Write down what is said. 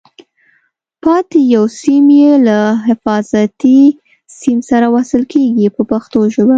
پاتې یو سیم یې له حفاظتي سیم سره وصل کېږي په پښتو ژبه.